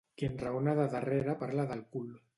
Qui enraona de darrere parla del cul.